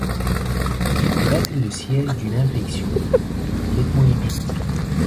Il peut être le siège d'une infection, l'ethmoïdite.